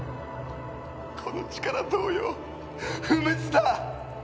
この力同様不滅だ！